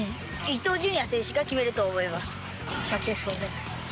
伊東純也選手が決めると思います。